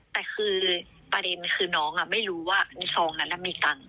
แต่คือประเด็นคือน้องไม่รู้ว่าในซองนั้นมีตังค์